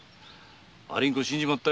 蟻ん子死んじまったよ。